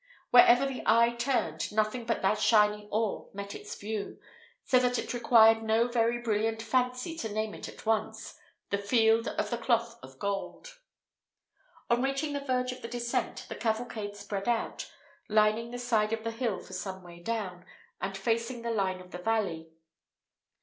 Wherever the eye turned, nothing but that shining ore met its view, so that it required no very brilliant fancy to name it at once, the Field of the Cloth of Gold. On reaching the verge of the descent, the cavalcade spread out, lining the side of the hill for some way down, and facing the line of the valley.